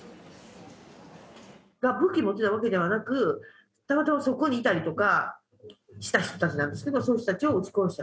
武器持ってたわけではなく、たまたまそこにいたりとかした人たちなんですけど、そういう人たちを撃ち殺した。